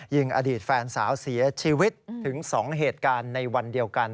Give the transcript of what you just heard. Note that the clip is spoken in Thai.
ยิงอดีตแฟนสาวเสียชีวิตถึง๒เหตุการณ์ในวันเดียวกัน